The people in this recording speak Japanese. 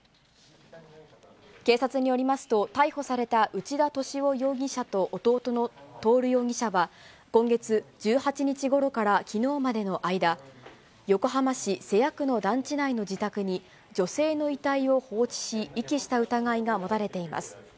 警察によりますと、逮捕された内田敏夫容疑者と弟の徹容疑者は今月１８日ごろからきのうまでの間、横浜市瀬谷区の団地内の自宅に、女性の遺体を放置し、遺棄した疑いが持たれています。